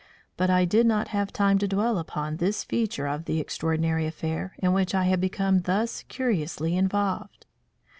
But I did not have time to dwell long upon this feature of the extraordinary affair in which I had become thus curiously involved.